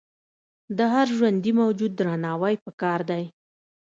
د هر ژوندي موجود درناوی پکار دی.